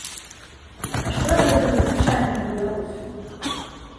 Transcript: А што ад гэтага звычайнаму беларусу?